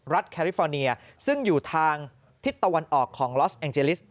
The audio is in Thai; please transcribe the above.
แคริฟอร์เนียซึ่งอยู่ทางทิศตะวันออกของลอสแองเจลิส